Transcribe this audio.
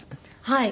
はい。